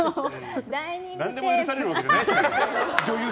何でも許されるわけじゃないですよ。